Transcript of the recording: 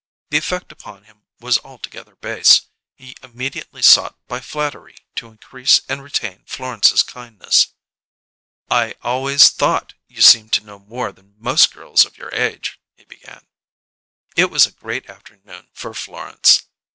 The effect upon him was altogether base; he immediately sought by flattery to increase and retain Florence's kindness. "I always thought you seemed to know more than most girls of your age," he began. It was a great afternoon for Florence.